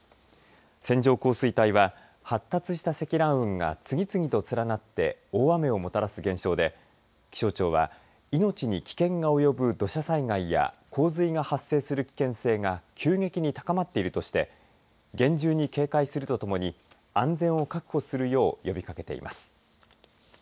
線状降水帯は発達した積乱雲が次々と連なって大雨をもたらす現象で気象庁は命に危険が及ぶ土砂災害や洪水が発生する危険性が急激に高まっているとして厳重に警戒するとともに安全を確保するよう呼びかけています。